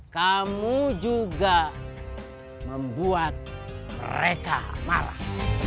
kamu juga membuat mereka marah